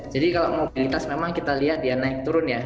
jadi kalau mobilitas memang kita lihat ya naik turun ya